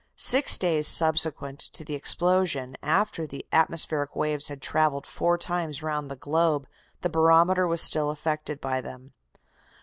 Six days subsequent to the explosion, after the atmospheric waves had traveled four times round the globe, the barometer was still affected by them.